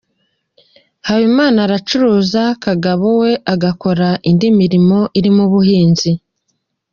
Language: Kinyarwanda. Habimana aracuruza, Kagabo we agakora indi mirimo irimo ubuhinzi.